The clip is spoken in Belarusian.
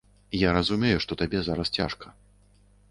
Я разумею, што табе зараз цяжка.